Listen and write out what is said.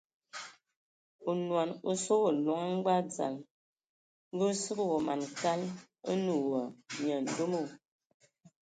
Onɔn o sɔ wa loŋ a ngbag dzal, ngə o sə wa man kal, o nə wa nyandomo.